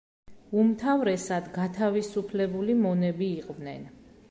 უმთავრესად გათავისუფლებული მონები იყვნენ.